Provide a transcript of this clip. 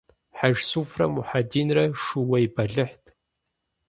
Хьэжсуфрэ Мухьэдинрэ шууей бэлыхьт.